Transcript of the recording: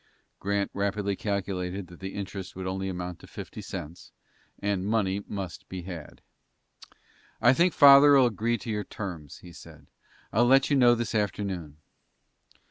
Grant rapidly calculated that the interest would only amount to fifty cents, and money must be had. "I think father'll agree to your terms," he said. "I'll let you know this afternoon."